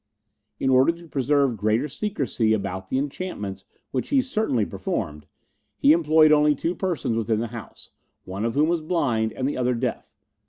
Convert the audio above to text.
In order to preserve greater secrecy about the enchantments which he certainly performed, he employed only two persons within the house, one of whom was blind and the other deaf.